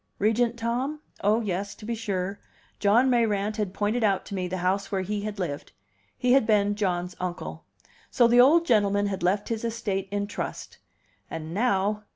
Regent Tom? Oh, yes, to be sure! John Mayrant had pointed out to me the house where he had lived; he had been John's uncle. So the old gentleman had left his estate in trust! And now